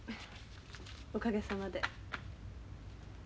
おかげさまで。